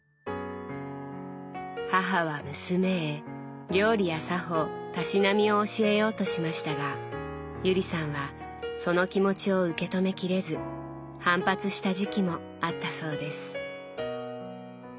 母は娘へ料理や作法たしなみを教えようとしましたが友里さんはその気持ちを受け止めきれず反発した時期もあったそうです。